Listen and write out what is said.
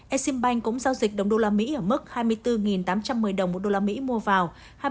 exim bank cũng giao dịch đồng đô la mỹ ở mức hai mươi bốn tám trăm một mươi đồng một đô la mỹ mua vào